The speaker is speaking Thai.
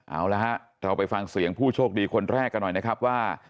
เอาละฮะเราไปฟังเสียงผู้โชคดีคนแรกกันหน่อยนะครับว่า